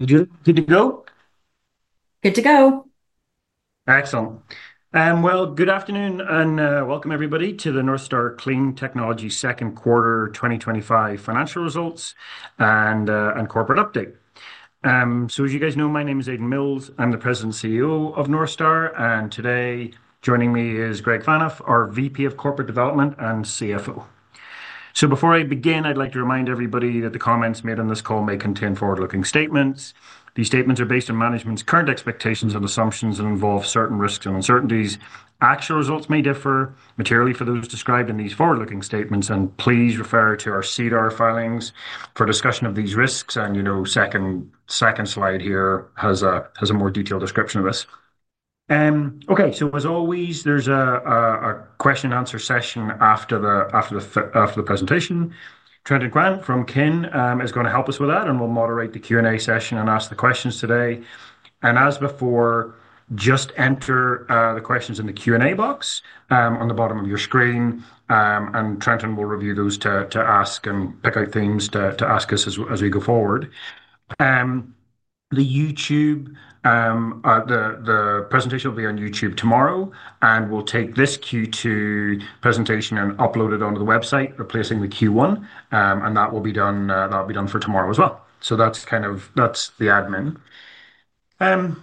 Good to go. Good to go. Excellent. Good afternoon and welcome everybody to the Northstar Clean Technologies Second Quarter 2025 Financial Results and Corporate Update. As you guys know, my name is Aidan Mills. I'm the President and CEO of Northstar. Today joining me is Greg Phaneuf, our VP of Corporate Development and CFO. Before I begin, I'd like to remind everybody that the comments made on this call may contain forward-looking statements. These statements are based on management's current expectations and assumptions and involve certain risks and uncertainties. Actual results may differ materially from those described in these forward-looking statements, and please refer to our CEDR filings for discussion of these risks. The second slide here has a more detailed description of this. As always, there's a question-and-answer session after the presentation. Trenton Grant from Kin is going to help us with that, and will moderate the Q&A session and ask the questions today. As before, just enter the questions in the Q&A box on the bottom of your screen, and Trenton will review those to ask and pick out themes to ask us as we go forward. The presentation will be on YouTube tomorrow, and we'll take this Q2 presentation and upload it onto the website, replacing the Q1, and that will be done for tomorrow as well. That's the admin.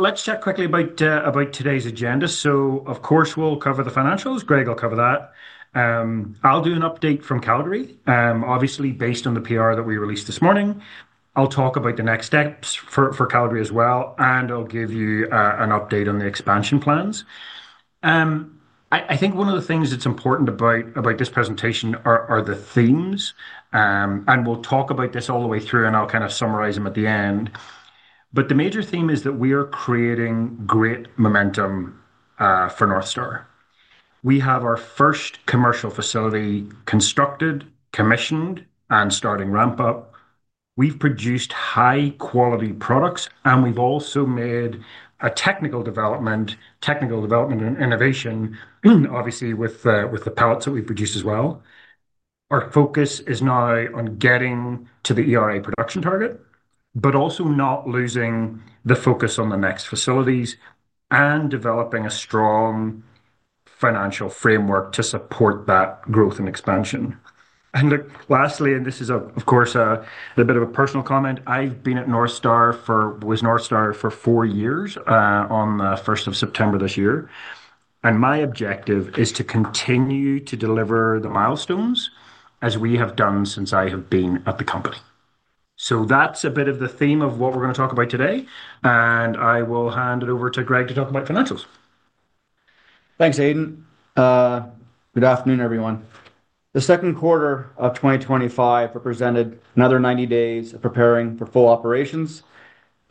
Let's chat quickly about today's agenda. Of course, we'll cover the financials. Greg will cover that. I'll do an update from Calgary, obviously based on the PR that we released this morning. I'll talk about the next steps for Calgary as well, and I'll give you an update on the expansion plans. I think one of the things that's important about this presentation are the themes, and we'll talk about this all the way through, and I'll summarize them at the end. The major theme is that we are creating great momentum for Northstar. We have our first commercial facility constructed, commissioned, and starting ramp up. We've produced high-quality products, and we've also made a technical development and innovation, obviously with the pellets that we produce as well. Our focus is now on getting to the ERA production target, but also not losing the focus on the next facilities and developing a strong financial framework to support that growth and expansion. Lastly, and this is of course a bit of a personal comment, I've been at Northstar, was Northstar for four years on the 1st of September this year, and my objective is to continue to deliver the milestones as we have done since I have been at the company. That's a bit of the theme of what we're going to talk about today, and I will hand it over to Greg to talk about financials. Thanks, Aidan. Good afternoon, everyone. The second quarter of 2025 represented another 90 days of preparing for full operations.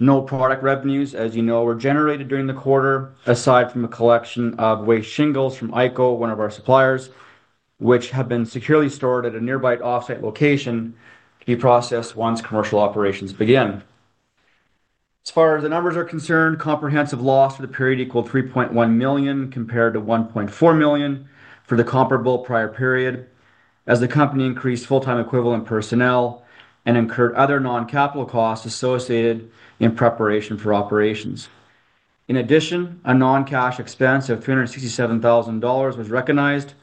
No product revenues, as you know, were generated during the quarter, aside from the collection of waste shingles from Eiko, one of our suppliers, which have been securely stored at a nearby offsite location to be processed once commercial operations begin. As far as the numbers are concerned, comprehensive loss for the period equaled $3.1 million compared to $1.4 million for the comparable prior period, as the company increased full-time equivalent personnel and incurred other non-capital costs associated in preparation for operations. In addition, a non-cash expense of $367,000 was recognized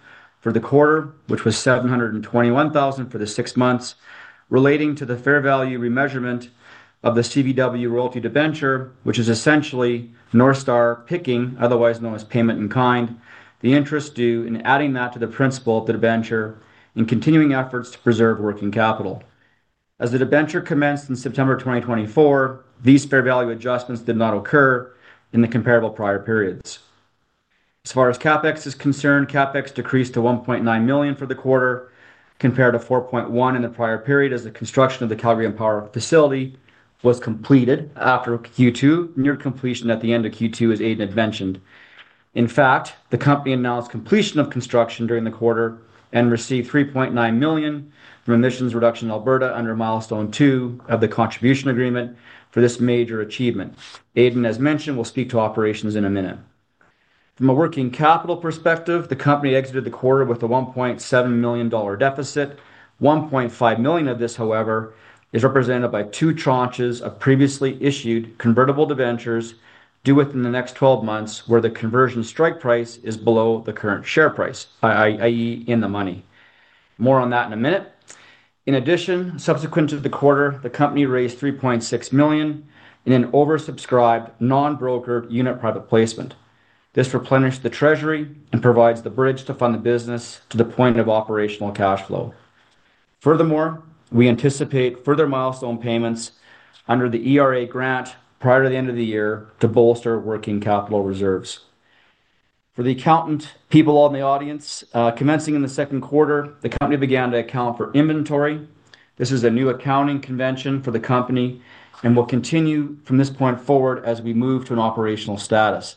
for the quarter, which was $721,000 for the six months, relating to the fair value remeasurement of the CBW royalty to venture, which is essentially Northstar picking, otherwise known as payment in kind, the interest due and adding that to the principal of the debenture and continuing efforts to preserve working capital. As the debenture commenced in September 2024, these fair value adjustments did not occur in the comparable prior periods. As far as CapEx is concerned, CapEx decreased to $1.9 million for the quarter compared to $4.1 million in the prior period, as the construction of the Calgary Empower facility was completed after Q2, near completion at the end of Q2, as Aidan had mentioned. In fact, the company announced completion of construction during the quarter and received $3.9 million from Emissions Reduction Alberta under milestone two of the contribution agreement for this major achievement. Aidan, as mentioned, will speak to operations in a minute. From a working capital perspective, the company exited the quarter with a $1.7 million deficit. $1.5 million of this, however, is represented by two tranches of previously issued convertible debentures due within the next 12 months, where the conversion strike price is below the current share price, i.e., in the money. More on that in a minute. In addition, subsequent to the quarter, the company raised $3.6 million in an oversubscribed non-brokered unit private placement. This replenished the treasury and provides the bridge to fund the business to the point of operational cash flow. Furthermore, we anticipate further milestone payments under the ERA grant prior to the end of the year to bolster working capital reserves. For the accountant people in the audience, commencing in the second quarter, the company began to account for inventory. This was a new accounting convention for the company and will continue from this point forward as we move to an operational status.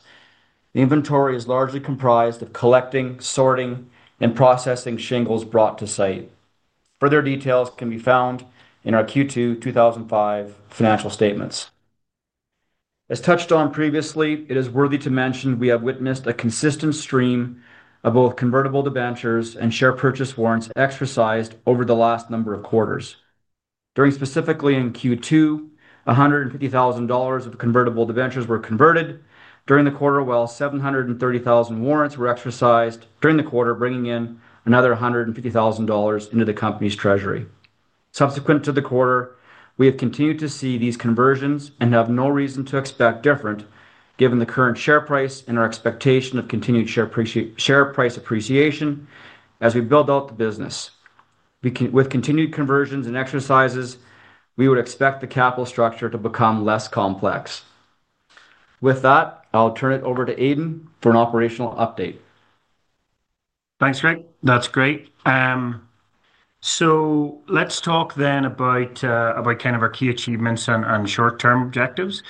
The inventory is largely comprised of collecting, sorting, and processing shingles brought to site. Further details can be found in our Q2 2023 financial statements. As touched on previously, it is worthy to mention we have witnessed a consistent stream of both convertible debentures and share purchase warrants exercised over the last number of quarters. Specifically in Q2, $150,000 of convertible debentures were converted during the quarter, while $730,000 of warrants were exercised during the quarter, bringing in another $150,000 into the company's treasury. Subsequent to the quarter, we have continued to see these conversions and have no reason to expect different, given the current share price and our expectation of continued share price appreciation as we build out the business. With continued conversions and exercises, we would expect the capital structure to become less complex. With that, I'll turn it over to Aidan for an operational update. Thanks, Greg. That's great. Let's talk then about kind of our key achievements and short-term objectives.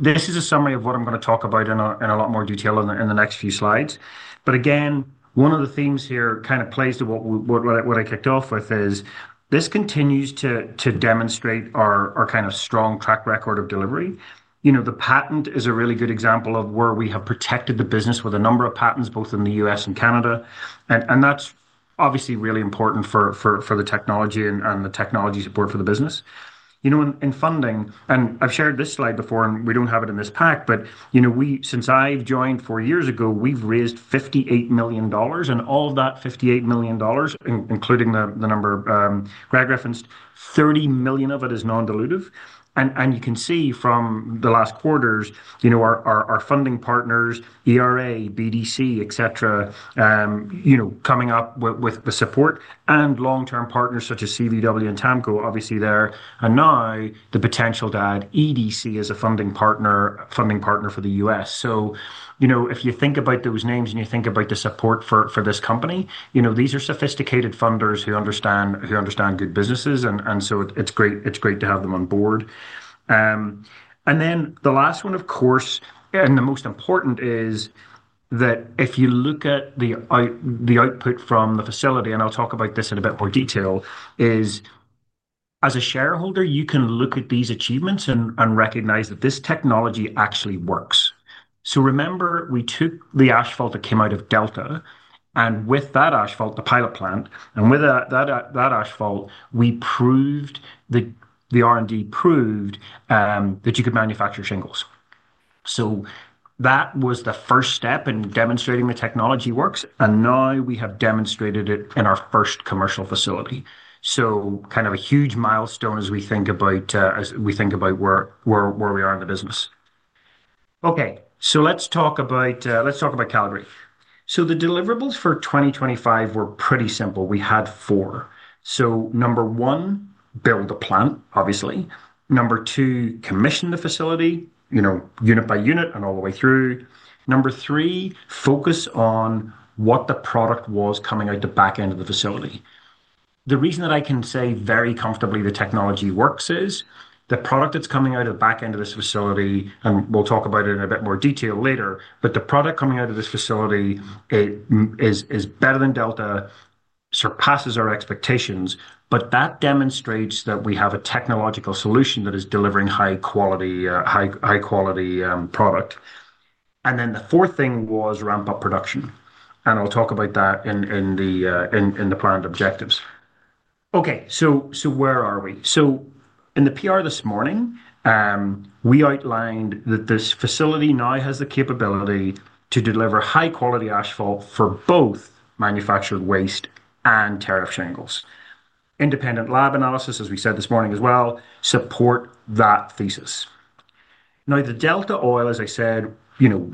This is a summary of what I'm going to talk about in a lot more detail in the next few slides. Again, one of the themes here kind of plays to what I kicked off with. This continues to demonstrate our kind of strong track record of delivery. The patent is a really good example of where we have protected the business with a number of patents, both in the U.S. and Canada. That's obviously really important for the technology and the technology support for the business. In funding, and I've shared this slide before, and we don't have it in this pack, but since I've joined four years ago, we've raised $58 million, and all of that $58 million, including the number Greg referenced, $30 million of it is non-dilutive. You can see from the last quarters, our funding partners, ERA, BDC, etc., coming up with support and long-term partners such as CBW and TAMKO, obviously there, and now the potential to add EDC as a funding partner for the U.S. If you think about those names and you think about the support for this company, these are sophisticated funders who understand good businesses, and it's great to have them on board. The last one, of course, and the most important is that if you look at the output from the facility, and I'll talk about this in a bit more detail, as a shareholder, you can look at these achievements and recognize that this technology actually works. Remember, we took the asphalt that came out of Delta, and with that asphalt, the pilot plant, and with that asphalt, we proved, the R&D proved that you could manufacture shingles. That was the first step in demonstrating the technology works, and now we have demonstrated it in our first commercial facility. Kind of a huge milestone as we think about where we are in the business. Okay, let's talk about Calgary. The deliverables for 2025 were pretty simple. We had four. Number one, build the plant, obviously. Number two, commission the facility, unit by unit and all the way through. Number three, focus on what the product was coming out the back end of the facility. The reason that I can say very comfortably the technology works is the product that's coming out of the back end of this facility, and we'll talk about it in a bit more detail later, but the product coming out of this facility, it is better than Delta, surpasses our expectations, but that demonstrates that we have a technological solution that is delivering high-quality product. The fourth thing was ramp up production, and I'll talk about that in the planned objectives. Okay, so where are we? In the PR this morning, we outlined that this facility now has the capability to deliver high-quality asphalt for both manufactured waste and tariff shingles. Independent lab analysis, as we said this morning as well, supports that thesis. Now, the Delta oil, as I said, you know,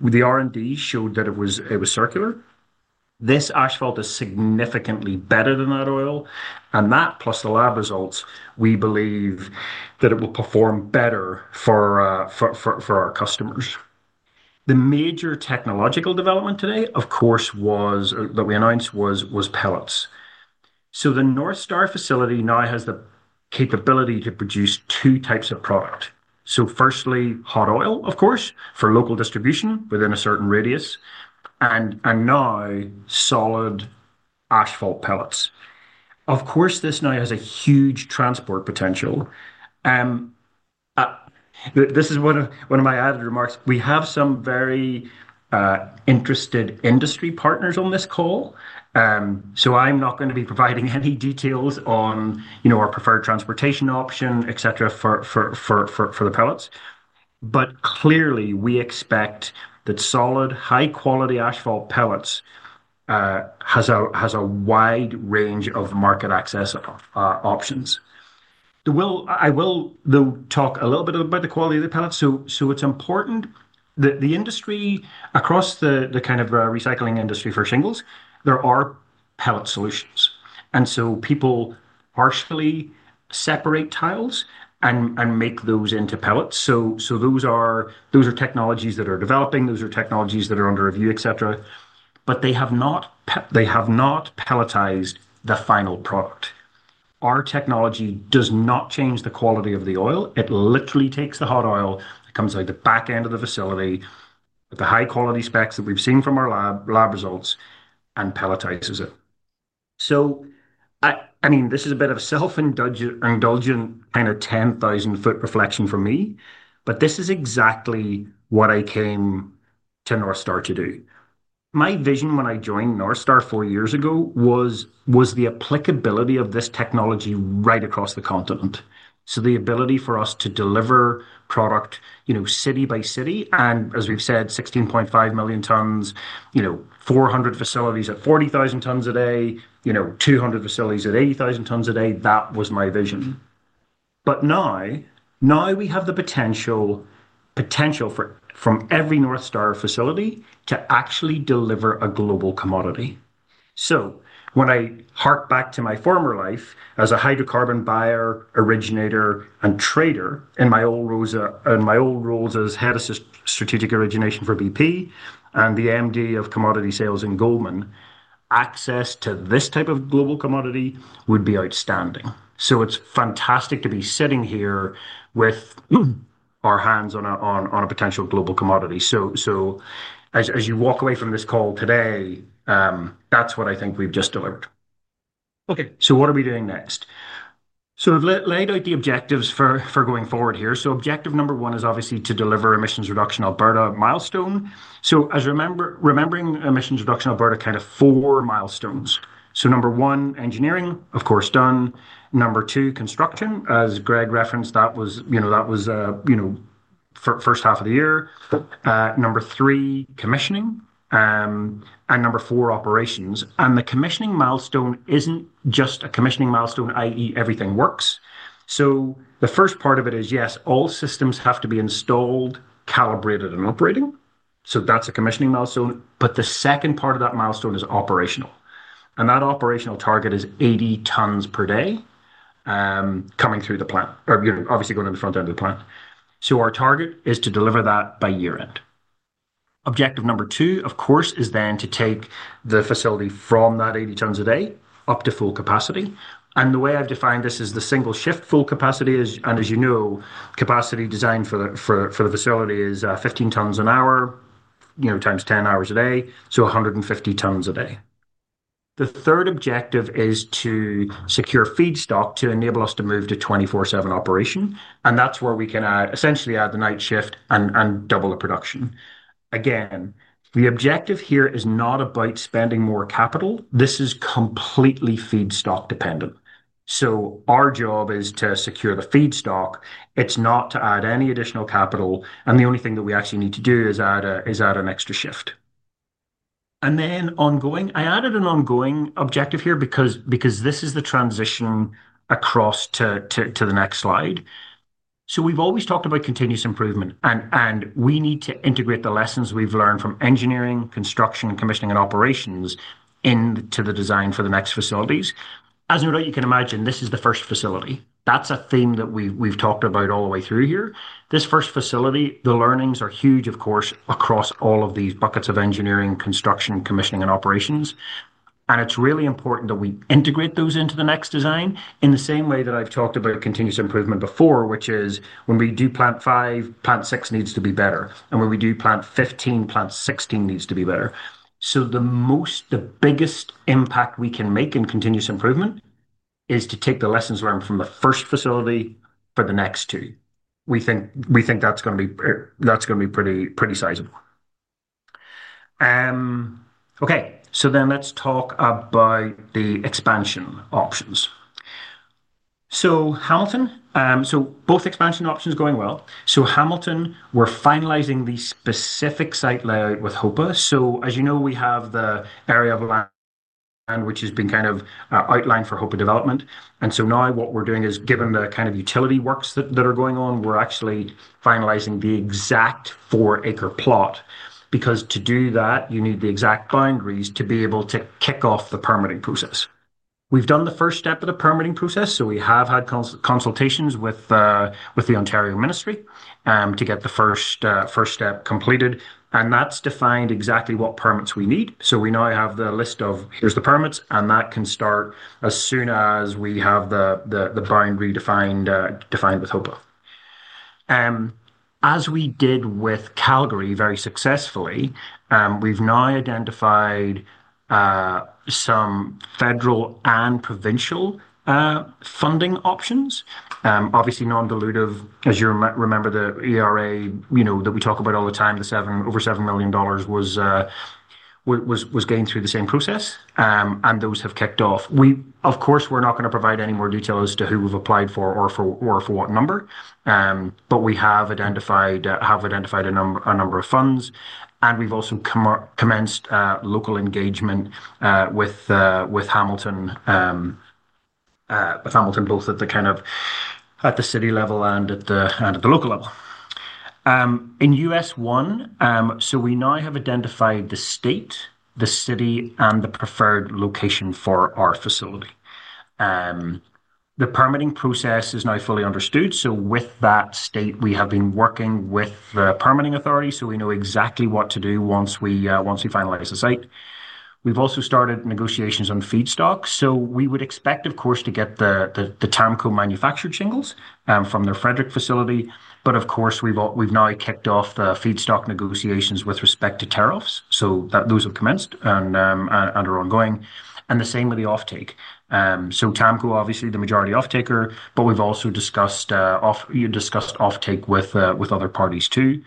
the R&D showed that it was circular. This asphalt is significantly better than that oil, and that plus the lab results, we believe that it will perform better for our customers. The major technological development today, of course, that we announced was pellets. The Northstar facility now has the capability to produce two types of product. Firstly, hot oil, of course, for local distribution within a certain radius, and now solid asphalt pellets. This now has a huge transport potential. This is one of my added remarks. We have some very interested industry partners on this call, so I'm not going to be providing any details on, you know, our preferred transportation option, etc., for the pellets. Clearly, we expect that solid, high-quality asphalt pellets have a wide range of market access options. I will, though, talk a little bit about the quality of the pellets. It's important that the industry across the kind of recycling industry for shingles, there are pellet solutions. People harshly separate tiles and make those into pellets. Those are technologies that are developing. Those are technologies that are under review, etc. They have not pelletized the final product. Our technology does not change the quality of the oil. It literally takes the hot oil that comes out the back end of the facility, the high-quality specs that we've seen from our lab results, and pelletizes it. This is a bit of a self-indulgent kind of 10,000 ft reflection for me, but this is exactly what I came to Northstar to do. My vision when I joined Northstar four years ago was the applicability of this technology right across the continent. The ability for us to deliver product, you know, city by city, and as we've said, 16.5 million t, you know, 400 facilities at 40,000 t a day, you know, 200 facilities at 80,000 t a day, that was my vision. Now we have the potential from every Northstar facility to actually deliver a global commodity. When I hark back to my former life as a hydrocarbon buyer, originator, and trader in my old roles as Head of Strategic Origination for BP and the MD of Commodity Sales in Goldman, access to this type of global commodity would be outstanding. It's fantastic to be sitting here with our hands on a potential global commodity. As you walk away from this call today, that's what I think we've just delivered. What are we doing next? I've laid out the objectives for going forward here. Objective number one is obviously to deliver Emissions Reduction Alberta milestone. Remembering Emissions Reduction Alberta has kind of four milestones. Number one, engineering, of course, done. Number two, construction, as Greg referenced, that was for the first half of the year. Number three, commissioning. Number four, operations. The commissioning milestone isn't just a commissioning milestone, i.e., everything works. The first part of it is, yes, all systems have to be installed, calibrated, and operating. That's a commissioning milestone. The second part of that milestone is operational. That operational target is 80 t per day coming through the plant, or, you know, obviously going to the front end of the plant. Our target is to deliver that by year end. Objective number two, of course, is then to take the facility from that 80 t a day up to full capacity. The way I've defined this is the single shift full capacity is, and as you know, capacity designed for the facility is 15 t an hour, times 10 hours a day, so 150 t a day. The third objective is to secure feedstock to enable us to move to 24/7 operation. That's where we can essentially add the night shift and double the production. The objective here is not about spending more capital. This is completely feedstock dependent. Our job is to secure the feedstock. It's not to add any additional capital. The only thing that we actually need to do is add an extra shift. I added an ongoing objective here because this is the transition across to the next slide. We've always talked about continuous improvement, and we need to integrate the lessons we've learned from engineering, construction, commissioning, and operations into the design for the next facilities. As you can imagine, this is the first facility. That's a theme that we've talked about all the way through here. This first facility, the learnings are huge, of course, across all of these buckets of engineering, construction, commissioning, and operations. It's really important that we integrate those into the next design in the same way that I've talked about continuous improvement before, which is when we do plant five, plant six needs to be better. When we do plant 15, plant 16 needs to be better. The biggest impact we can make in continuous improvement is to take the lessons learned from the first facility for the next two. We think that's going to be pretty sizable. Let's talk about the expansion options. Hamilton, both expansion options are going well. In Hamilton, we're finalizing the specific site layout with the HOPA. As you know, we have the area of land which has been outlined for HOPA development. Now what we're doing is, given the utility works that are going on, we're actually finalizing the exact four-acre plot because to do that, you need the exact boundaries to be able to kick off the permitting process. We've done the first step of the permitting process. We have had consultations with the Ontario Ministry to get the first step completed, and that's defined exactly what permits we need. We now have the list of here's the permits, and that can start as soon as we have the boundary defined with the HOPA. As we did with Calgary very successfully, we've now identified some federal and provincial funding options. Obviously, non-dilutive, as you remember, ERA, you know, that we talk about all the time, the over $7 million was gained through the same process. Those have kicked off. We're not going to provide any more details as to who we've applied for or for what number, but we have identified a number of funds. We've also commenced local engagement with Hamilton, both at the city level and at the local level. In U.S. one, we now have identified the state, the city, and the preferred location for our facility. The permitting process is now fully understood. With that state, we have been working with the permitting authority. We know exactly what to do once we finalize the site. We've also started negotiations on feedstock. We would expect, of course, to get the TAMKO manufactured shingles from their Frederick facility. We've now kicked off the feedstock negotiations with respect to tariffs. Those have commenced and are ongoing. The same with the offtake. TAMKO, obviously, the majority offtaker, but we've also discussed offtake with other parties too.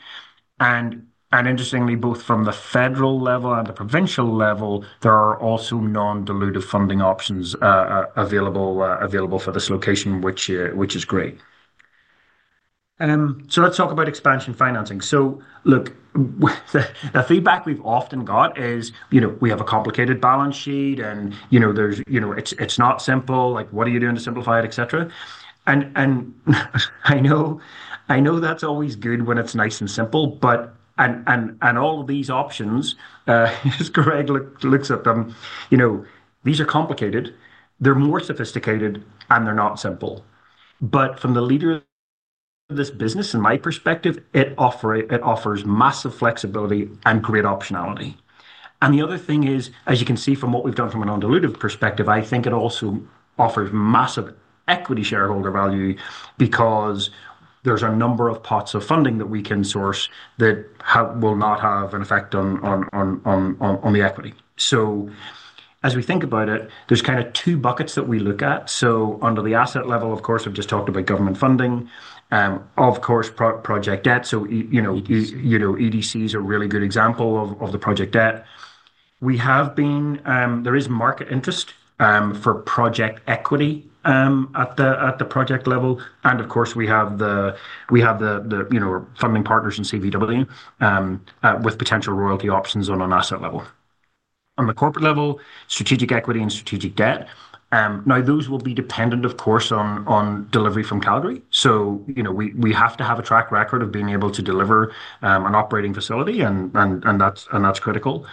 Interestingly, both from the federal level and the provincial level, there are also non-dilutive funding options available for this location, which is great. Let's talk about expansion financing. The feedback we've often got is, you know, we have a complicated balance sheet and, you know, it's not simple. What are you doing to simplify it, et cetera? I know that's always good when it's nice and simple, but all of these options, as Greg looks at them, these are complicated. They're more sophisticated and they're not simple. From the leader of this business, in my perspective, it offers massive flexibility and great optionality. The other thing is, as you can see from what we've done from a non-dilutive perspective, I think it also offers massive equity shareholder value because there's a number of pots of funding that we can source that will not have an effect on the equity. As we think about it, there's kind of two buckets that we look at. Under the asset level, I've just talked about government funding, project debt. EDCs are a really good example of the project debt. There is market interest for project equity at the project level. We have the funding partners in CBW with potential royalty options on an asset level. On the corporate level, strategic equity and strategic debt. Those will be dependent, of course, on delivery from Calgary. We have to have a track record of being able to deliver an operating facility, and that's critical.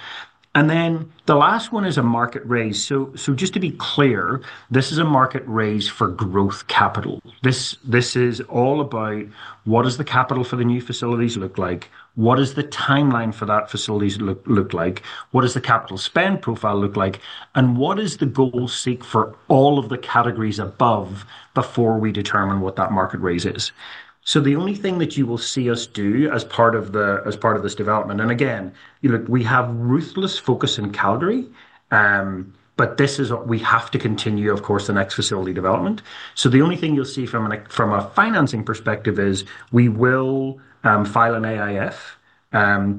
The last one is a market raise. Just to be clear, this is a market raise for growth capital. This is all about what does the capital for the new facilities look like? What does the timeline for that facility look like? What does the capital spend profile look like? What is the goal seek for all of the categories above before we determine what that market raise is? The only thing that you will see us do as part of this development, we have ruthless focus in Calgary, but this is what we have to continue, of course, the next facility development. The only thing you'll see from a financing perspective is we will file an AIF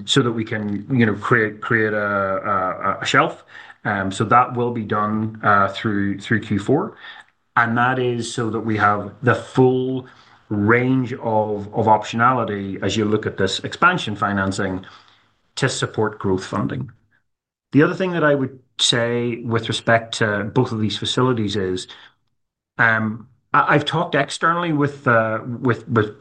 so that we can create a shelf. That will be done through Q4. That is so that we have the full range of optionality as you look at this expansion financing to support growth funding. The other thing that I would say with respect to both of these facilities is I've talked externally with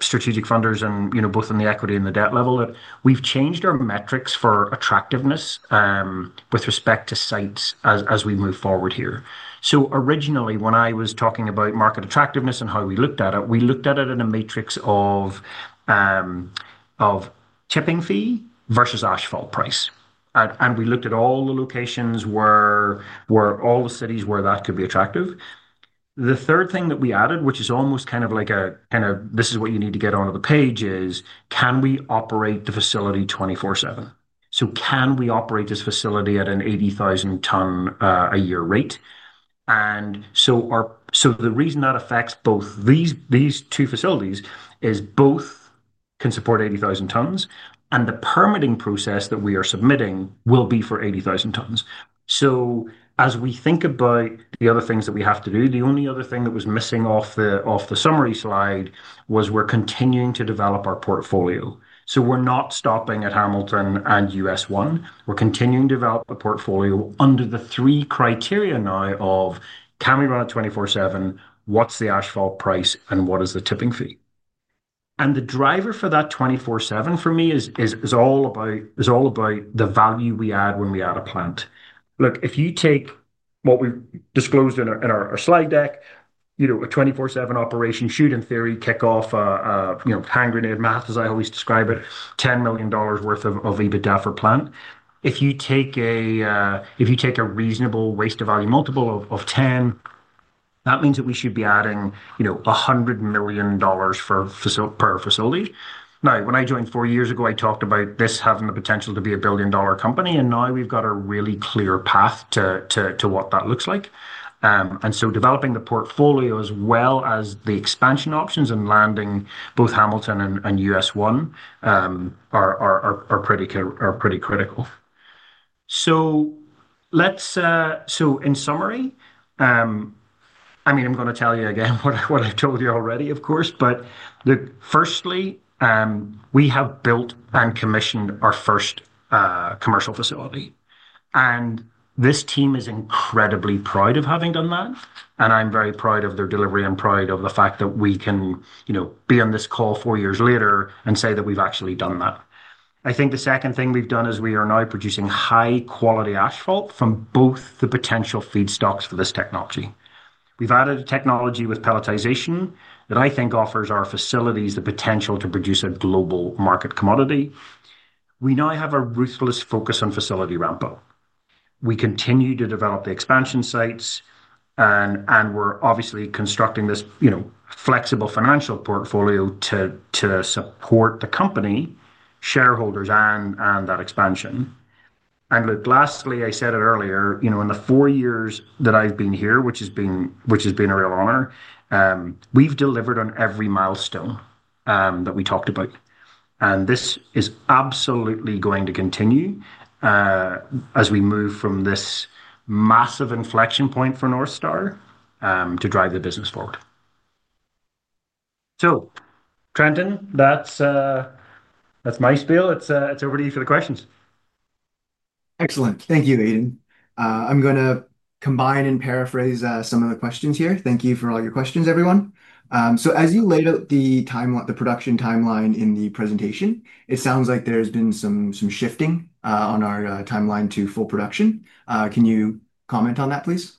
strategic funders, both in the equity and the debt level, that we've changed our metrics for attractiveness with respect to sites as we move forward here. Originally, when I was talking about market attractiveness and how we looked at it, we looked at it in a matrix of tipping fee versus asphalt price. We looked at all the locations, all the cities where that could be attractive. The third thing that we added, which is almost kind of like this is what you need to get onto the page, is can we operate the facility 24/7? Can we operate this facility at an 80,000 t a year rate? The reason that affects both these two facilities is both can support 80,000 t, and the permitting process that we are submitting will be for 80,000 t. As we think about the other things that we have to do, the only other thing that was missing off the summary slide was we're continuing to develop our portfolio. We're not stopping at Hamilton and U.S. one. We're continuing to develop a portfolio under the three criteria now of can we run it 24/7, what's the asphalt price, and what is the tipping fee? The driver for that 24/7 for me is all about the value we add when we add a plant. If you take what we disclosed in our slide deck, a 24/7 operation should in theory kick off, hand grenade math as I always describe it, $10 million worth of EBITDA per plant. If you take a reasonable waste-to-value multiple of 10, that means that we should be adding $100 million per facility. When I joined four years ago, I talked about this having the potential to be a billion-dollar company, and now we've got a really clear path to what that looks like. Developing the portfolio as well as the expansion options and landing both Hamilton and U.S. One are pretty critical. In summary, I'm going to tell you again what I've told you already, of course, but look, firstly, we have built and commissioned our first commercial facility. This team is incredibly proud of having done that. I'm very proud of their delivery and proud of the fact that we can be on this call four years later and say that we've actually done that. I think the second thing we've done is we are now producing high-quality asphalt from both the potential feedstocks for this technology. We've added a technology with pelletization that I think offers our facilities the potential to produce a global market commodity. We now have a ruthless focus on facility ramp up. We continue to develop the expansion sites, and we're obviously constructing this flexible financial portfolio to support the company, shareholders, and that expansion. Lastly, I said it earlier, in the four years that I've been here, which has been a real honor, we've delivered on every milestone that we talked about. This is absolutely going to continue as we move from this massive inflection point for Northstar to drive the business forward. Trenton, that's my spiel. It's over to you for the questions. Excellent. Thank you, Aidan. I'm going to combine and paraphrase some of the questions here. Thank you for all your questions, everyone. As you laid out the production timeline in the presentation, it sounds like there's been some shifting on our timeline to full production. Can you comment on that, please?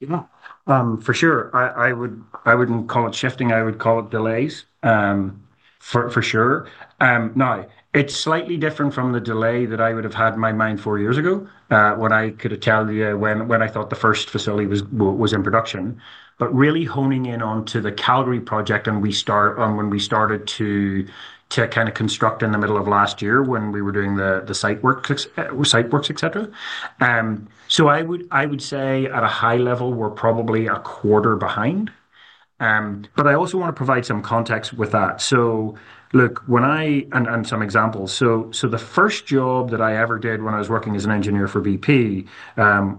Yeah, for sure. I wouldn't call it shifting. I would call it delays, for sure. Now, it's slightly different from the delay that I would have had in my mind four years ago when I could tell you when I thought the first facility was in production. Really honing in onto the Calgary project and when we started to construct in the middle of last year when we were doing the site work, et cetera, I would say at a high level, we're probably a quarter behind. I also want to provide some context with that. Look, some examples, the first job that I ever did when I was working as an engineer for BP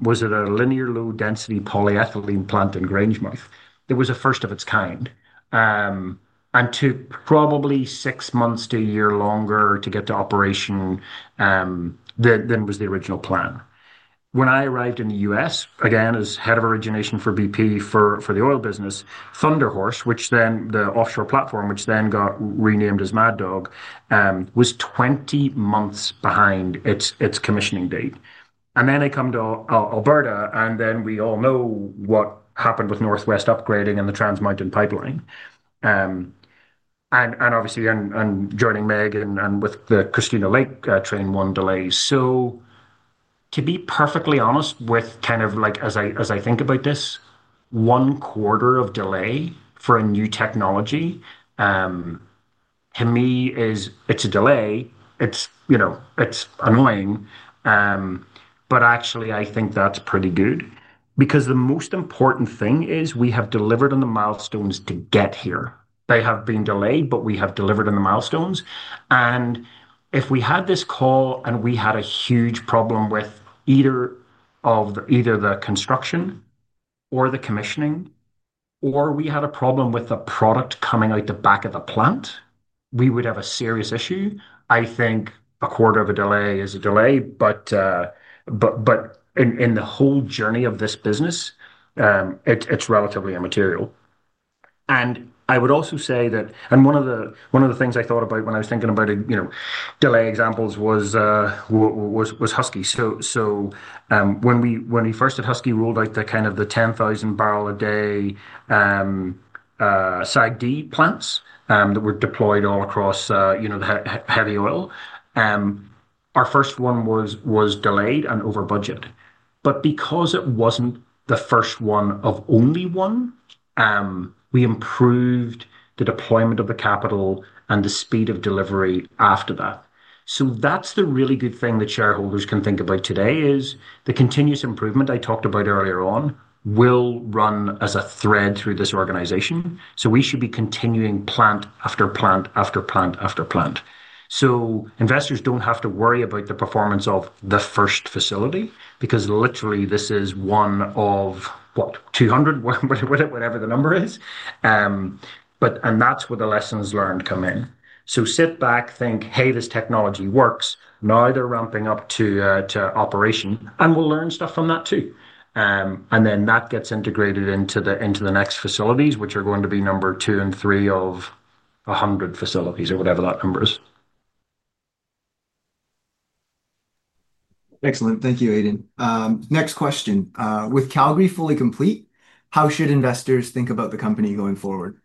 was at a linear low-density polyethylene plant in Grangemouth. It was a first of its kind and took probably six months to a year longer to get to operation than was the original plan. When I arrived in the U.S., again, as Head of Origination for BP for the oil business, Thunderhorse, which then the offshore platform, which then got renamed as Mad Dog, was 20 months behind its commissioning date. I come to Alberta, and we all know what happened with Northwest Upgrading and the Transmountain pipeline. Obviously, joining Meg and with the Christina Lake train one delay. To be perfectly honest, as I think about this, one quarter of delay for a new technology, to me, it's a delay. It's annoying, but actually, I think that's pretty good because the most important thing is we have delivered on the milestones to get here. They have been delayed, but we have delivered on the milestones. If we had this call and we had a huge problem with either the construction or the commissioning, or we had a problem with the product coming out the back of the plant, we would have a serious issue. I think a quarter of a delay is a delay, but in the whole journey of this business, it's relatively immaterial. I would also say that one of the things I thought about when I was thinking about delay examples was Husky. When we first had Husky roll out the kind of the 10,000 barrel a day side D plants that were deployed all across the heavy oil, our first one was delayed and over budget. Because it wasn't the first one of only one, we improved the deployment of the capital and the speed of delivery after that. That's the really good thing that shareholders can think about today. The continuous improvement I talked about earlier on will run as a thread through this organization. We should be continuing plant after plant after plant after plant. Investors don't have to worry about the performance of the first facility because literally this is one of, what, 200, whatever the number is. That's where the lessons learned come in. Sit back, think, hey, this technology works. Now they're ramping up to operation, and we'll learn stuff from that too. That gets integrated into the next facilities, which are going to be number two and three of a hundred facilities or whatever that number is. Excellent. Thank you, Aidan. Next question. With Calgary fully complete, how should investors think about the company going forward?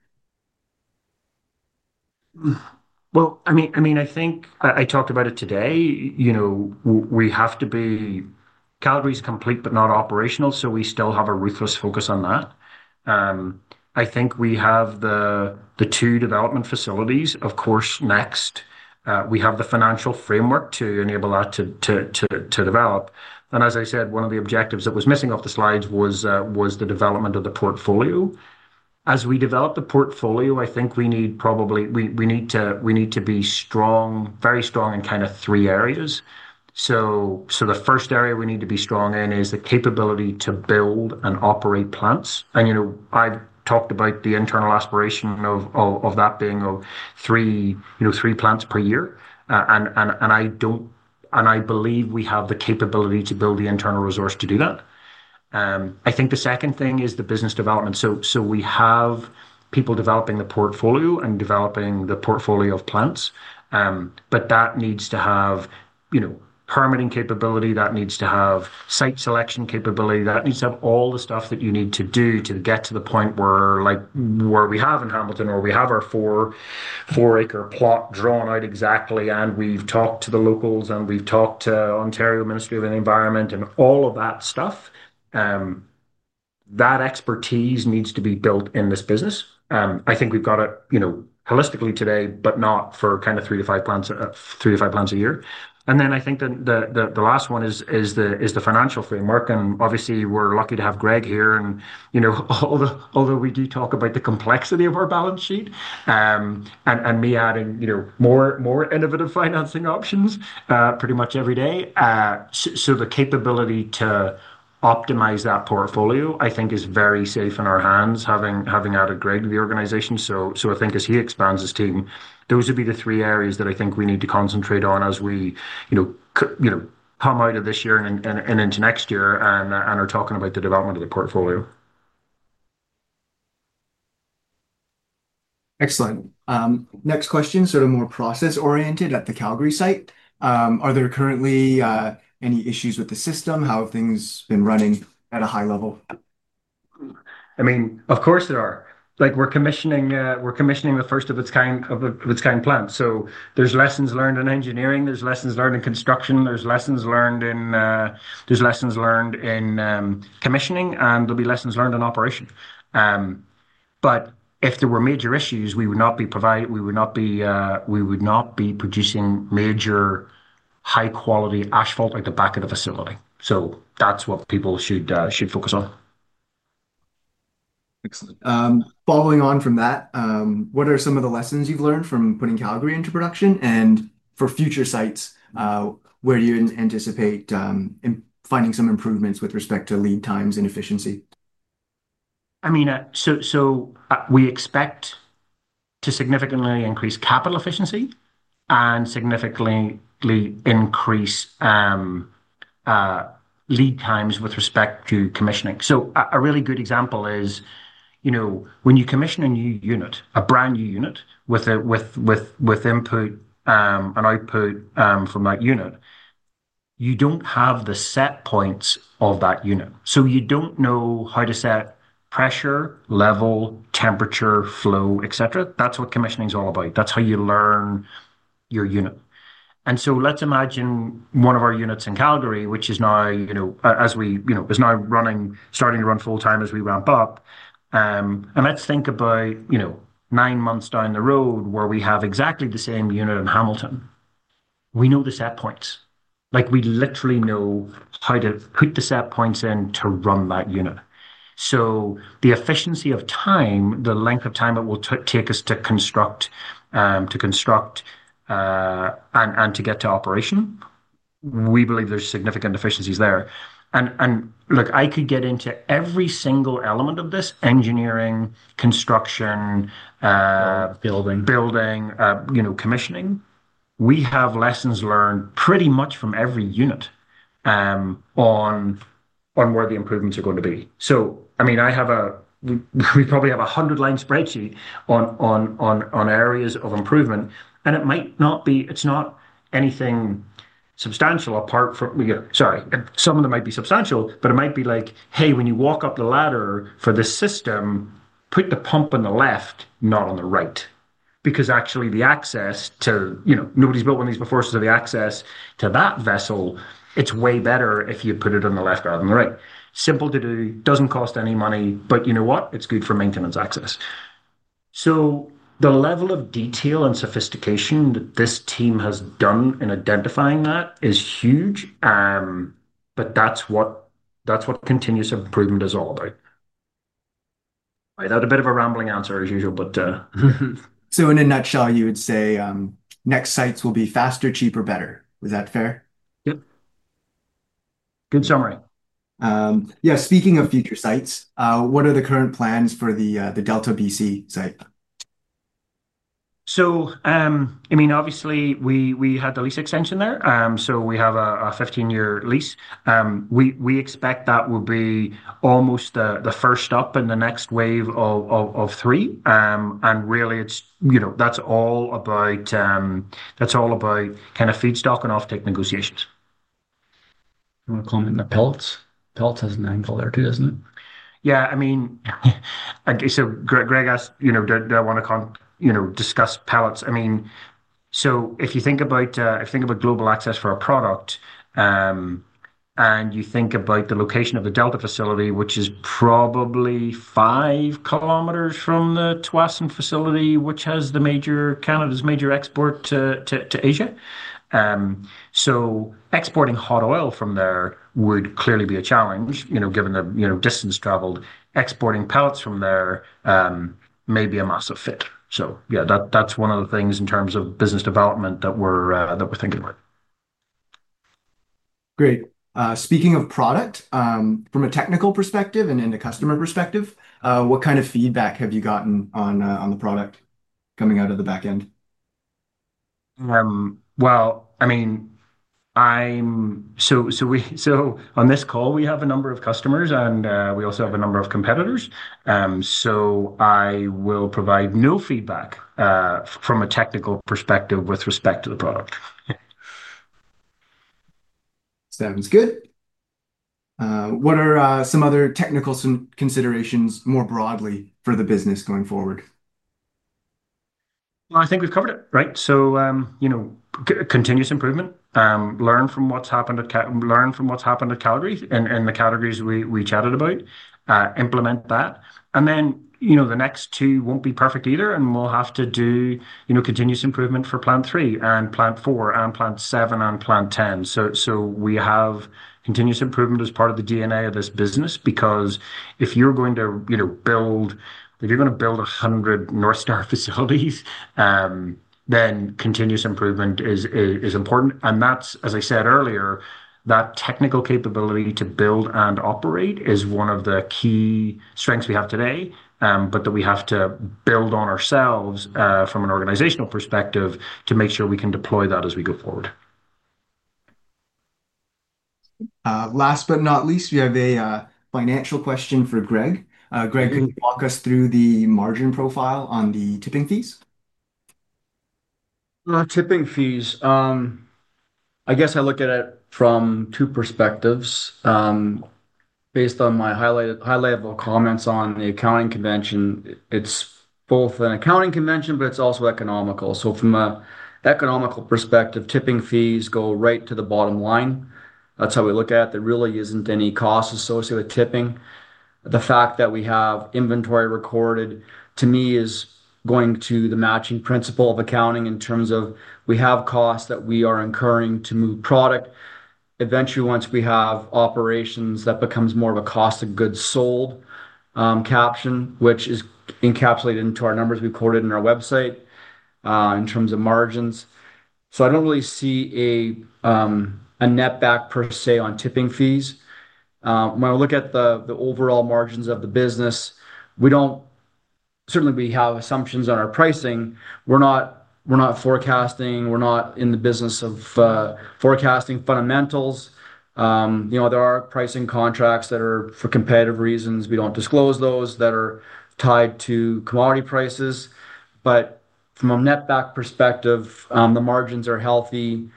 I think I talked about it today. You know, we have to be, Calgary's complete but not operational, so we still have a ruthless focus on that. I think we have the two development facilities, of course, next. We have the financial framework to enable that to develop. As I said, one of the objectives that was missing off the slides was the development of the portfolio. As we develop the portfolio, I think we need probably, we need to be strong, very strong in kind of three areas. The first area we need to be strong in is the capability to build and operate plants. You know, I talked about the internal aspiration of that being three, you know, three plants per year. I believe we have the capability to build the internal resource to do that. I think the second thing is the business development. We have people developing the portfolio and developing the portfolio of plants. That needs to have permitting capability, that needs to have site selection capability, that needs to have all the stuff that you need to do to get to the point where like where we have in Hamilton or we have our four-acre plot drawn out exactly. We've talked to the locals and we've talked to Ontario Ministry of the Environment and all of that stuff. That expertise needs to be built in this business. I think we've got it, you know, holistically today, but not for kind of three to five plants a year. I think the last one is the financial framework. Obviously, we're lucky to have Greg here. You know, although we do talk about the complexity of our balance sheet and me adding, you know, more innovative financing options pretty much every day. The capability to optimize that portfolio, I think, is very safe in our hands having added Greg to the organization. I think as he expands his team, those would be the three areas that I think we need to concentrate on as we, you know, come out of this year and into next year and are talking about the development of the portfolio. Excellent. Next question, sort of more process-oriented at the Calgary site. Are there currently any issues with the system? How have things been running at a high level? Of course there are. We're commissioning the first of its kind plant, so there's lessons learned in engineering, there's lessons learned in construction, there's lessons learned in commissioning, and there'll be lessons learned in operation. If there were major issues, we would not be providing, we would not be producing major high-quality asphalt at the back of the facility. That's what people should focus on. Excellent. Following on from that, what are some of the lessons you've learned from putting Calgary into production and for future sites? Where do you anticipate finding some improvements with respect to lead times and efficiency? We expect to significantly increase capital efficiency and significantly increase lead times with respect to commissioning. A really good example is, when you commission a new unit, a brand new unit with input and output from that unit, you don't have the set points of that unit. You don't know how to set pressure, level, temperature, flow, etc. That's what commissioning is all about. That's how you learn your unit. Let's imagine one of our units in Calgary, which is now running, starting to run full time as we ramp up. Let's think about nine months down the road where we have exactly the same unit in Hamilton. We know the set points. We literally know how to put the set points in to run that unit. The efficiency of time, the length of time it will take us to construct and to get to operation, we believe there's significant efficiencies there. I could get into every single element of this: engineering, construction, building, commissioning. We have lessons learned pretty much from every unit on where the improvements are going to be. We probably have a hundred-line spreadsheet on areas of improvement. It's not anything substantial apart from, sorry, some of them might be substantial, but it might be like, hey, when you walk up the ladder for this system, put the pump on the left, not on the right. Actually, the access to, nobody's built one of these before, so the access to that vessel, it's way better if you put it on the left rather than the right. Simple to do, doesn't cost any money, but it's good for maintenance access. The level of detail and sophistication that this team has done in identifying that is huge. That's what continuous improvement is all about. I had a bit of a rambling answer as usual, but. In a nutshell, you would say next sites will be faster, cheaper, better. Is that fair? Yep. Good summary. Yeah, speaking of future sites, what are the current plans for the Delta, BC site? Obviously, we had the lease extension there. We have a 15-year lease. We expect that will be almost the first stop in the next wave of three, and really, you know, that's all about kind of feedstock and offtake negotiations. I'm going to comment on the pellets. Pellets has an angle there too, doesn't it? Yeah, I mean, Greg asked, do I want to discuss pellets? I mean, if you think about global access for a product and you think about the location of the Delta facility, which is probably 5km from the Tsawwassen facility, which has Canada's major export to Asia, exporting hot oil from there would clearly be a challenge, given the distance traveled. Exporting pellets from there may be a massive fit. That's one of the things in terms of business development that we're thinking about. Great. Speaking of product, from a technical perspective and in the customer perspective, what kind of feedback have you gotten on the product coming out of the back end? On this call, we have a number of customers and we also have a number of competitors. I will provide no feedback from a technical perspective with respect to the product. Sounds good. What are some other technical considerations more broadly for the business going forward? I think we've covered it, right? Continuous improvement, learn from what's happened at Calgary and the categories we chatted about, implement that. The next two won't be perfect either and we'll have to do continuous improvement for plant three and plant four and plant seven and plant 10. We have continuous improvement as part of the DNA of this business because if you're going to build, if you're going to build a hundred Northstar facilities, then continuous improvement is important. As I said earlier, that technical capability to build and operate is one of the key strengths we have today, but that we have to build on ourselves from an organizational perspective to make sure we can deploy that as we go forward. Last but not least, we have a financial question for Greg. Greg, can you walk us through the margin profile on the tipping fees? Tipping fees. I guess I look at it from two perspectives. Based on my highlighted high-level comments on the accounting convention, it's both an accounting convention, but it's also economical. From an economical perspective, tipping fees go right to the bottom line. That's how we look at it. There really isn't any cost associated with tipping. The fact that we have inventory recorded, to me, is going to the matching principle of accounting in terms of we have costs that we are incurring to move product. Eventually, once we have operations, that becomes more of a cost of goods sold caption, which is encapsulated into our numbers we've quoted in our website in terms of margins. I don't really see a net back per se on tipping fees. When I look at the overall margins of the business, we don't, certainly we have assumptions on our pricing. We're not forecasting, we're not in the business of forecasting fundamentals. There are pricing contracts that are for competitive reasons. We don't disclose those that are tied to commodity prices. From a net back perspective, the margins are healthy.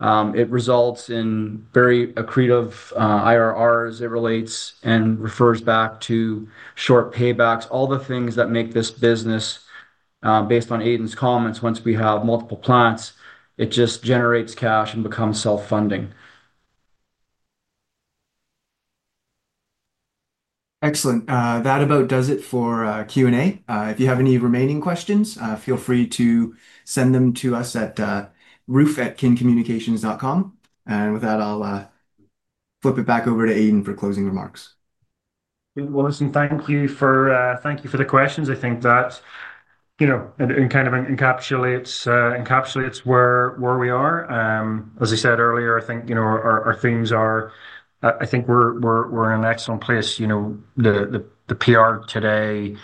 It results in very accretive IRRs. It relates and refers back to short paybacks, all the things that make this business based on Aidan's comments. Once we have multiple plants, it just generates cash and becomes self-funding. Excellent. That about does it for Q&A. If you have any remaining questions, feel free to send them to us at roof@cancunications.com. With that, I'll flip it back over to Aidan for closing remarks. Thank you for the questions. I think that kind of encapsulates where we are. As I said earlier, I think our themes are, I think we're in an excellent place. The PR today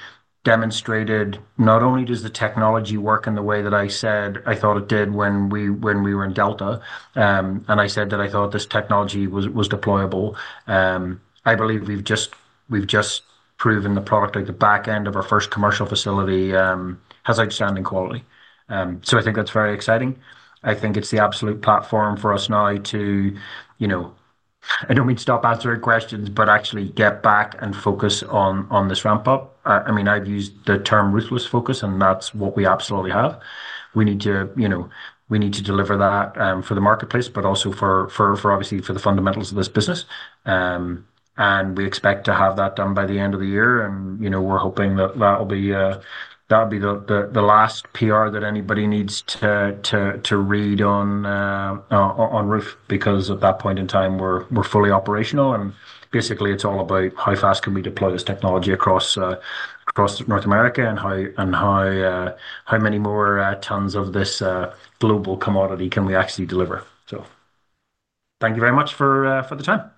demonstrated not only does the technology work in the way that I said I thought it did when we were in Delta, and I said that I thought this technology was deployable. I believe we've just proven the product at the back end of our first commercial facility has outstanding quality. I think that's very exciting. I think it's the absolute platform for us now to, I don't mean stop answering questions, but actually get back and focus on this ramp up. I've used the term ruthless focus, and that's what we absolutely have. We need to deliver that for the marketplace, but also obviously for the fundamentals of this business. We expect to have that done by the end of the year. We're hoping that that'll be the last PR that anybody needs to read on Roof because at that point in time, we're fully operational. Basically, it's all about how fast can we deploy this technology across North America and how many more tons of this global commodity can we actually deliver. Thank you very much for the time.